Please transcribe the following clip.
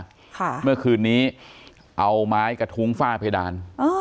ค่ะเมื่อคืนนี้เอาไม้กระทุ้งฝ้าเพดานอ๋อ